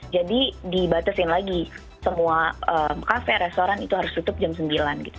jadi dibatasin lagi semua kafe restoran itu harus tutup jam sembilan gitu